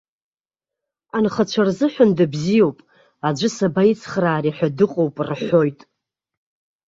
Анхацәа рзыҳәан дыбзиоуп, аӡәы сабаицхраари ҳәа дыҟоуп рҳәоит.